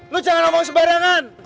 lu jangan ngomong sebarangan